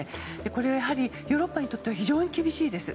これはヨーロッパにとっては非常に厳しいです。